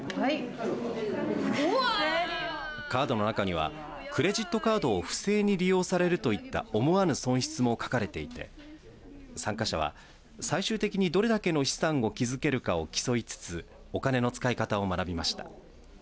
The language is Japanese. カードの中にはクレジットカードを不正に利用されるといった思わぬ損失も書かれていて参加者は最終的に、どれだけの資産を築けるかを競いつつお金の使い方を学びました。